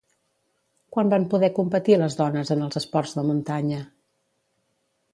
Quan van poder competir les dones en els esports de muntanya?